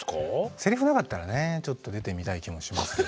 セリフなかったらねちょっと出てみたい気もしますけど。